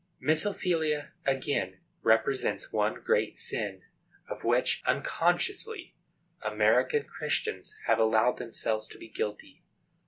Miss Ophelia, again, represents one great sin, of which, unconsciously, American Christians have allowed themselves to be guilty.